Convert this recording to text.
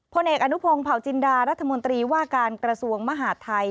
เอกอนุพงศ์เผาจินดารัฐมนตรีว่าการกระทรวงมหาดไทย